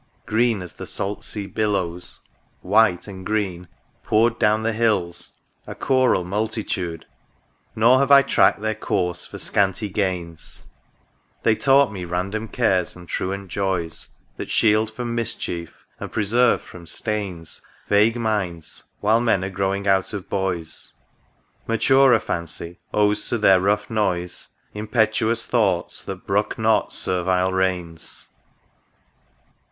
Green as the salt sea billows, white and green. Poured down the hills, a choral multitude I Nor have I tracked their course for scanty gains ; They taught me random cares and truant joys, That shield from mischief and preserve from stains Vague minds, while men are growing out of boys; Maturer Fancy owes to their rough noise Impetuous thoughts that brook not servile reins.